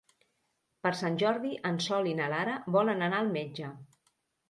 Per Sant Jordi en Sol i na Lara volen anar al metge.